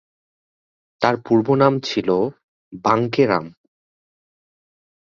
তার পূর্ব নাম ছিল- বাঙ্কেরাম।